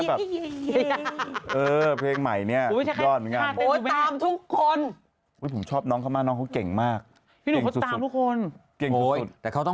แต่ผมสามารถรับสารไม่เหมือนกัน